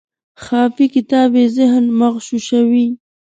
خافي کتاب یې ذهن مغشوشوي.